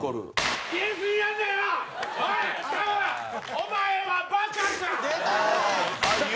お前はバカか！